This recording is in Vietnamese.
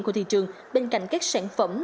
của thị trường bên cạnh các sản phẩm